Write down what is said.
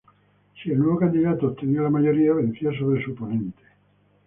Si el nuevo candidato obtenía la mayoría, vencía sobre su oponente.